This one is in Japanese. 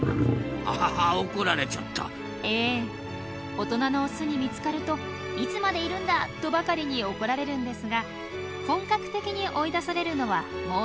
大人のオスに見つかると「いつまでいるんだ！」とばかりに怒られるんですが本格的に追い出されるのはもう少し先のこと。